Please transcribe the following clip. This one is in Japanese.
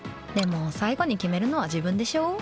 でも最後に決めるのは自分でしょ。